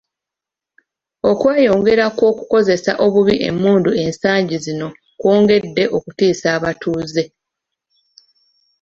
Okweyongera kw'okukozesa obubi emmundu ensangi zino kwongedde okutiisa abatuuze.